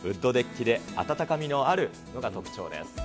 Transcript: ウッドデッキで温かみのあるのが特徴です。